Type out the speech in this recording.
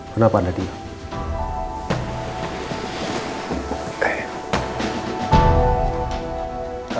kenapa anda diam